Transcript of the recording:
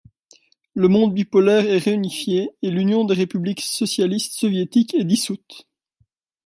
Le monde bipolaire est réunifié, et l'Union des républiques socialistes soviétiques est dissoute.